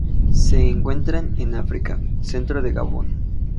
Se encuentran en África: centro de Gabón.